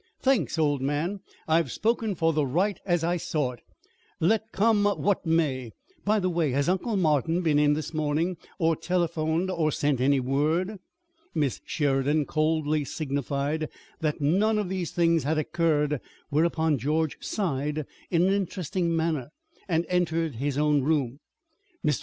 "Thanks, old man! I've spoken for the right as I saw it, let come what may. By the way, has Uncle Martin been in this morning, or telephoned, or sent any word?" Miss Sheridan coldly signified that none of these things had occurred, whereupon George sighed in an interesting manner and entered his own room. Mr.